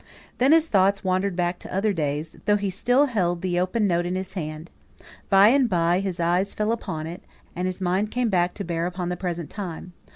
Then his thoughts wandered back to other days, though he still held the open note in his hand. By and by his eyes fell upon it again, and his mind came back to bear upon the present time.